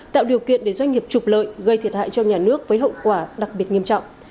tạo điều kiện để doanh nghiệp trục lợi gây thiệt hại cho nhà nước với hậu quả đặc biệt nghiêm trọng